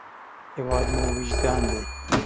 هېواد مو وجدان دی